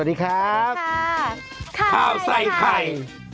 สวัสดีครับสวัสดีครับข่าวใส่ไข่